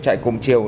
chạy cùng chiều